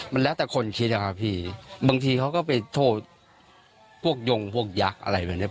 มันแล้วแต่คนคิดอะครับพี่บางทีเขาก็ไปโทษพวกยงพวกยักษ์อะไรแบบนี้